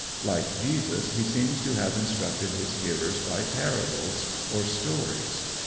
Like Jesus, he seems to have instructed his hearers by parables or stories.